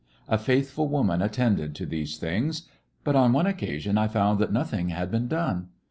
A faithful woman attended to these things. But on one occasion I found that nothing had been done.